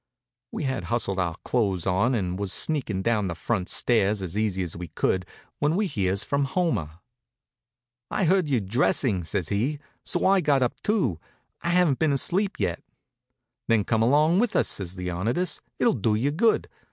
We had hustled our clothes on and was sneakin' down the front stairs as easy as we could when we hears from Homer. "I heard you dressing," says he, "so I got up, too. I haven't been asleep yet." "Then come along with us," says Leonidas. "It'll do you good.